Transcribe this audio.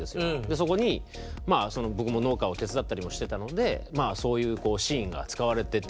そこに僕も農家を手伝ったりもしてたのでそういうシーンが使われててっていう。